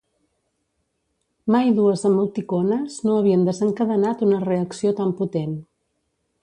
Mai dues emoticones no havien desencadenat una reacció tan potent.